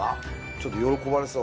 ちょっと喜ばれそう。